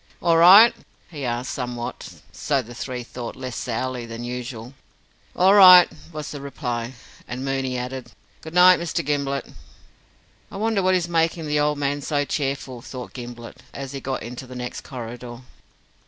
"All right?" he asked, somewhat so the three thought less sourly than usual. "All right," was the reply, and Mooney added, "Good night, Mr. Gimblett." "I wonder what is making the old man so cheerful," thought Gimblett, as he got into the next corridor.